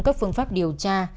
các phương pháp điều tra